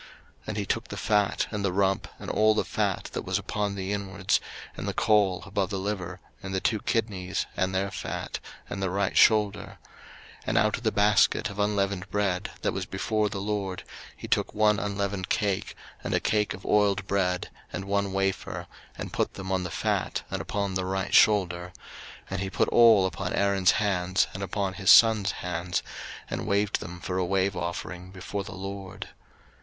03:008:025 And he took the fat, and the rump, and all the fat that was upon the inwards, and the caul above the liver, and the two kidneys, and their fat, and the right shoulder: 03:008:026 And out of the basket of unleavened bread, that was before the LORD, he took one unleavened cake, and a cake of oiled bread, and one wafer, and put them on the fat, and upon the right shoulder: 03:008:027 And he put all upon Aaron's hands, and upon his sons' hands, and waved them for a wave offering before the LORD.